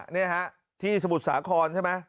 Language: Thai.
นี่ฮะที่สมุทรสาครใช่ไหม